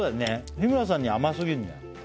日村さんには甘すぎるのよ